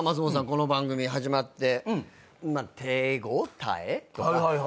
この番組始まって手応え？とか。